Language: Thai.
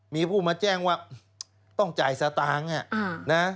มีผู้มาแจ้งว่าต้องจ่ายสตางค์นะ